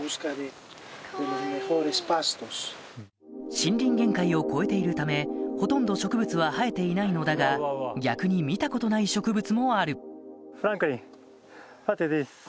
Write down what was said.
森林限界を超えているためほとんど植物は生えていないのだが逆に見たことない植物もあるフランクリン。